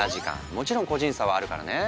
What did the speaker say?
もちろん個人差はあるからね。